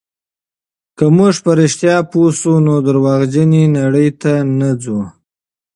که موږ په رښتیا پوه شو، نو درواغجنې نړۍ ته نه ځو.